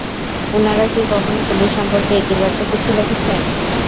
উনারা কী কখনও পুলিশ সম্পর্কে ইতিবাচক কিছু লেখেছেন?